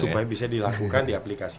supaya bisa dilakukan di aplikasi